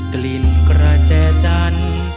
กลิ่นกระแจจันทร์